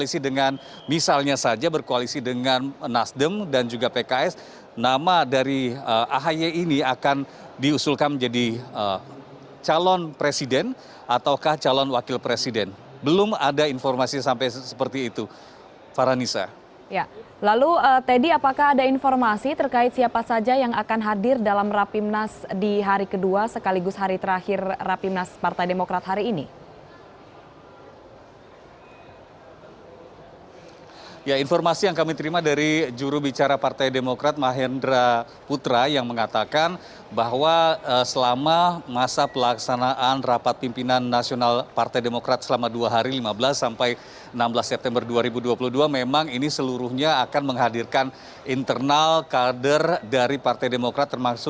selama dua hari lima belas sampai enam belas september dua ribu dua puluh dua memang ini seluruhnya akan menghadirkan internal kader dari partai demokrat